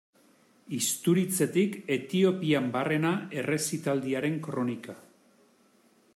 Isturitzetik Etiopian barrena errezitaldiaren kronika.